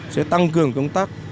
sẽ tăng cường công tác